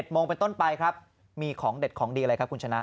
โมงเป็นต้นไปครับมีของเด็ดของดีอะไรครับคุณชนะ